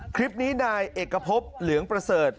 คลิปนี้นายเอกพบเหลืองประเสริฐ